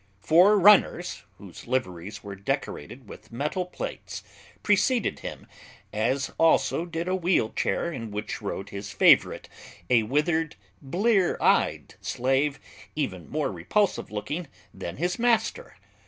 Four runners, whose liveries were decorated with metal plates, preceded him, as also did a wheel chair in which rode his favorite, a withered, blear eyed slave, even more repulsive looking than his master.